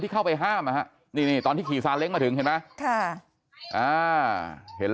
เข้าไปห้ามนี่ตอนที่ขี่ซาเล้งมาถึงเห็นไหม